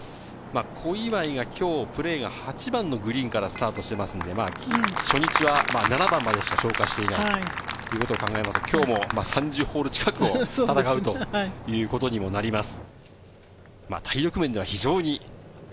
小祝が今日、プレーが８番のグリーンからスタートしていますので、初日は７番までしか消化していないということを考えますと、今日も３０ホール近くを戦うということにもなります。